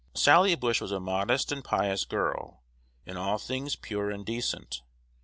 Sally Bush was a modest and pious girl, in all things pure and decent.